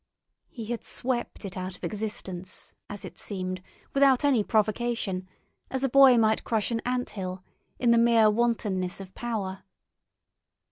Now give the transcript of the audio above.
He had swept it out of existence, as it seemed, without any provocation, as a boy might crush an ant hill, in the mere wantonness of power.